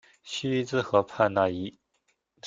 叙伊兹河畔讷伊。